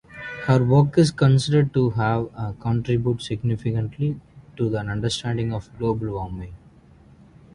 Her work is considered to have contributed significantly to the understanding of global warming.